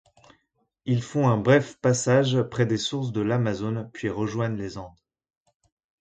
Ils font un bref passage près des sources de l'Amazone puis rejoignent les Andes.